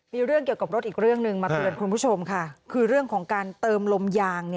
มีเรื่องเกี่ยวกับรถอีกเรื่องหนึ่งมาเตือนคุณผู้ชมค่ะคือเรื่องของการเติมลมยาง